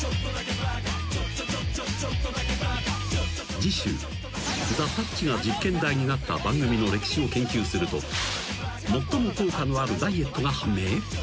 ［次週ザ・たっちが実験台になった番組の歴史を研究すると最も効果のあるダイエットが判明！？］